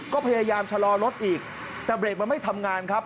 ก็พยายามชะลอรถอีกแต่เบรกมันไม่ทำงานครับ